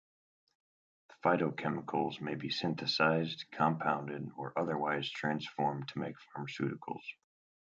The phytochemicals may be synthesized, compounded or otherwise transformed to make pharmaceuticals.